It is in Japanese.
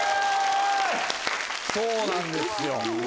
そうなんですよ。